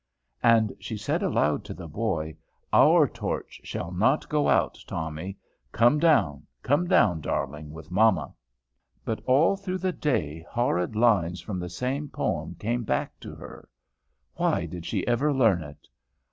And she said aloud to the boy, "Our torch shall not go out, Tommy, come down, come down, darling, with mamma." But all through the day horrid lines from the same poem came back to her. Why did she ever learn it!